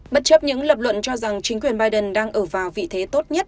bất chấp những lập luận cho rằng chính quyền biden đang ở vào vị thế tốt nhất